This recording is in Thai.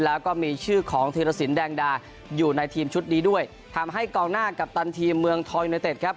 แล้วก็มีชื่อของธีรสินแดงดาอยู่ในทีมชุดนี้ด้วยทำให้กองหน้ากัปตันทีมเมืองทองยูเนเต็ดครับ